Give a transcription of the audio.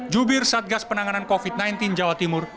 jubir satgas penanganan covid sembilan belas jawa timur